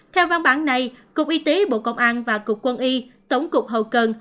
theo văn bản này cục y tế bộ công an và cục quân y tổng cục hậu cần